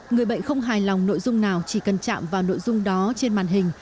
người bệnh không hài lòng nội dung nào chỉ cần chạm vào nội dung đó trên màn hình